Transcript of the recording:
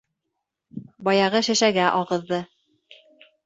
Баяғы шешәгә ағыҙҙы.